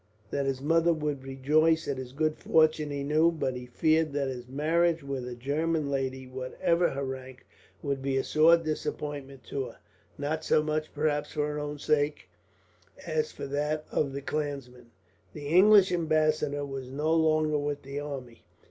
That his mother would rejoice at his good fortune, he knew; but he feared that his marriage with a German lady, whatever her rank, would be a sore disappointment to her, not so much perhaps for her own sake as for that of the clansmen. The English ambassador was no longer with the army.